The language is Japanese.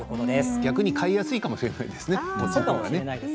逆に買いやすいかもしれませんね。